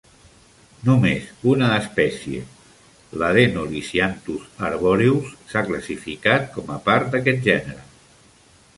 Només una espècie, l'Adenolisianthus arboreus, s'ha classificat com a part d'aquest gènere.